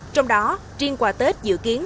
trong đó riêng qua tết dự kiến